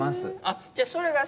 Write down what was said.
じゃあそれが最初？